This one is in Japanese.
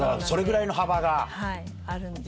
それぐらいの幅が？